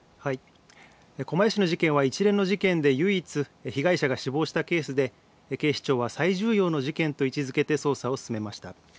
狛江市の事件は一連の事件で唯一被害者が死亡したケースで警視庁は最重要の事件と位置づけて捜査を進めました。